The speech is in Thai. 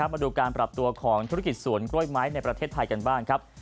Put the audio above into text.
มาดูการปรับตัวของธุรกิจสวนกล้วยไม้ในประเทศไทยกันบ้างครับ